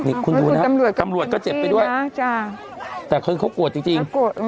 นี่คุณดูนะครับตำรวจก็เจ็บไปด้วยแต่คือเขากลัวจริง